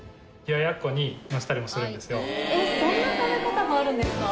そんな食べ方もあるんですか？